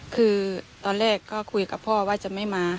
คือตอนแรกก็คุยกับพ่อว่าจะไม่มา